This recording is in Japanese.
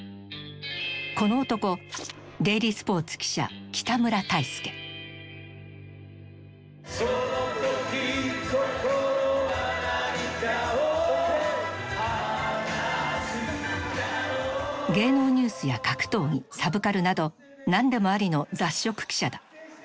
この男芸能ニュースや格闘技サブカルなど何でもありの雑食記者だ。